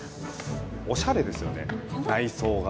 おしゃれですよね内装が。